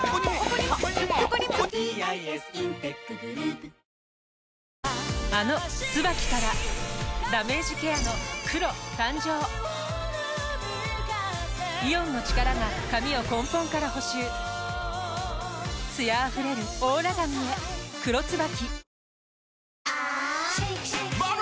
乳酸菌が一時的な胃の負担をやわらげるあの「ＴＳＵＢＡＫＩ」からダメージケアの黒誕生イオンの力が髪を根本から補修艶あふれるオーラ髪へ「黒ＴＳＵＢＡＫＩ」